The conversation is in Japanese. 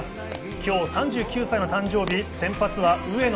今日３９歳の誕生日、先発は上野。